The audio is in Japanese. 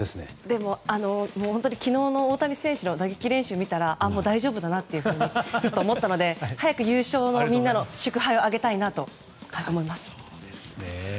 でも、本当に昨日の大谷選手の打撃練習を見たら大丈夫だなと思ったので早く優勝の祝杯を挙げたいなと思いますね。